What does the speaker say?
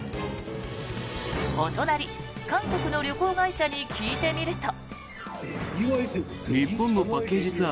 お隣、韓国の旅行会社に聞いてみると。